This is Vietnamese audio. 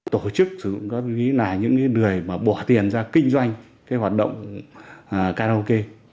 tổ chức sử dụng ma túy là những người bỏ tiền ra kinh doanh hoạt động karaoke